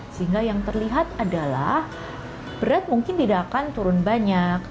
sehingga yang terlihat adalah berat mungkin tidak akan turun banyak